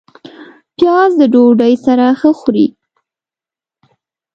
پیاز د ډوډۍ سره ښه خوري